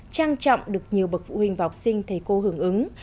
trang trọng được nhiều bậc phụ huynh và học sinh thầy cô hưởng ứng